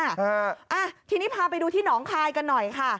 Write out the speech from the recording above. อ่าทีนี้พาไปดูที่หนองคายกันหน่อยค่ะ